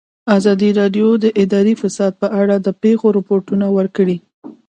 ازادي راډیو د اداري فساد په اړه د پېښو رپوټونه ورکړي.